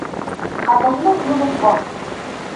Ҡәҙерле Геликон!